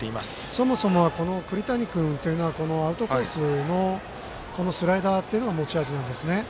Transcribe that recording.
そもそも栗谷君はアウトコースのスライダーっていうのが持ち味ですね。